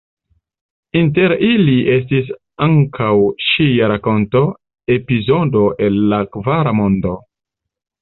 Inter ili estis ankaŭ ŝia rakonto „Epizodo el la Kvara Mondo“.